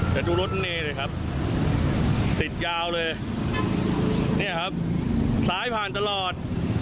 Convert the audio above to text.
เดี๋ยวดูรถเมฆเลยครับติดยาวเลยนี้ครับสายผ่านตลอด